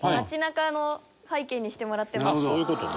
そういう事ね。